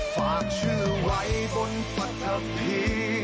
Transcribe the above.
ฝากชื่อไว้บนฝันทะพี